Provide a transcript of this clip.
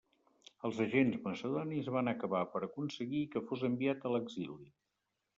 Els agents macedonis van acabar per aconseguir que fos enviat a l'exili.